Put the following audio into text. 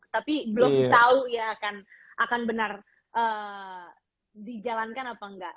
tapi belum tahu ya akan benar dijalankan apa enggak